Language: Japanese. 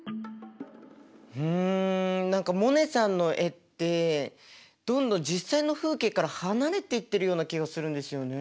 うん何かモネさんの絵ってどんどん実際の風景から離れていってるような気がするんですよね。